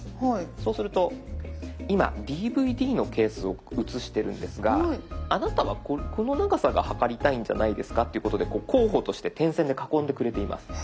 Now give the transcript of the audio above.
そうすると今ＤＶＤのケースを写してるんですがあなたはこの長さが測りたいんじゃないですかっていうことで候補として点線で囲んでくれています。